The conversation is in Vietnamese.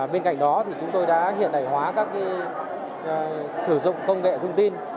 bên cạnh đó thì chúng tôi đã hiện đại hóa các sử dụng công nghệ thông tin